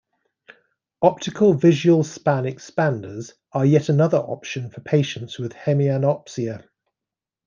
Optical Visual Span Expanders are yet another option for patients with hemianopsia.